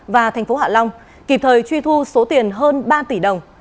và thành phố hạ long kịp thời truy thu số tiền hơn ba tỷ đồng